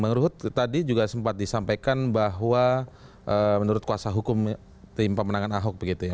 bang ruhut tadi juga sempat disampaikan bahwa menurut kuasa hukum tim pemenangan ahok begitu ya